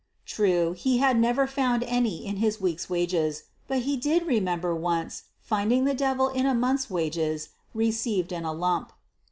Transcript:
True, he had never found any in his week's wages, but he did remember once finding the devil in a month's wages received in the lump.